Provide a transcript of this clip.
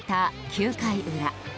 ９回裏。